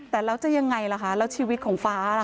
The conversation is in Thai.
แต่แล้วจะยังไงล่ะคะแล้วชีวิตของฟ้าล่ะ